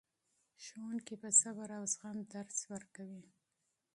ښوونکي په صبر او زغم درس ورکوي.